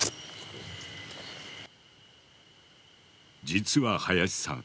実は林さん